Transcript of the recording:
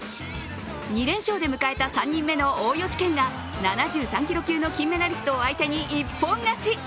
２連勝で迎えた３人目の大吉賢が７３キロ級の金メダリスト相手に一本勝ち。